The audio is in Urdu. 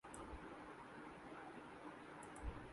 فاکلینڈ جزائر